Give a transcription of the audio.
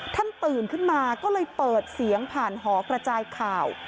ตื่นขึ้นมาก็เลยเปิดเสียงผ่านหอกระจายข่าว